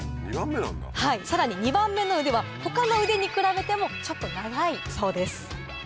さらに２番目の腕は他の腕に比べてもちょっと長いそうです。